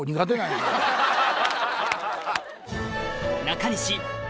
中西